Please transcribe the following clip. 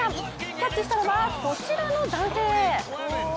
キャッチしたのはこちらの男性。